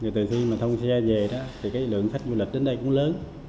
từ khi mà thông xe về đó thì cái lượng khách du lịch đến đây cũng lớn